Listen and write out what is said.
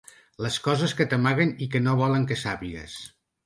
Les coses que t’amaguen i que no volen que sàpigues.